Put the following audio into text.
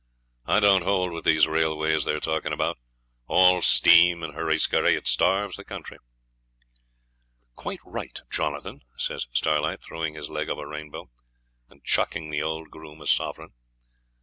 I don't hold with these railways they're talkin' about all steam and hurry scurry; it starves the country.' 'Quite right, Jonathan,' says Starlight, throwing his leg over Rainbow, and chucking the old groom a sovereign.